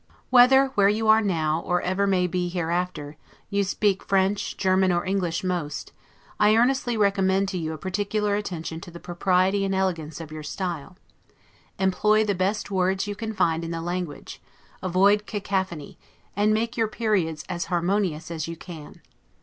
Whether, where you are now, or ever may be hereafter, you speak French, German, or English most, I earnestly recommend to you a particular attention to the propriety and elegance of your style; employ the best words you can find in the language, avoid cacophony, and make your periods as harmonious as you can.